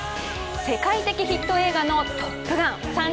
世界的ヒット映画の「トップガン」